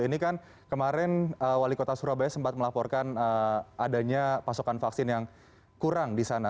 ini kan kemarin wali kota surabaya sempat melaporkan adanya pasokan vaksin yang kurang di sana